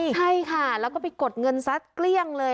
ใช่ค่ะแล้วก็ไปกดเงินซัดเกลี้ยงเลย